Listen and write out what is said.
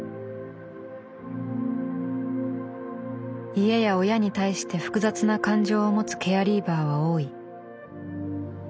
家や親に対して複雑な感情を持つケアリーバーは多い。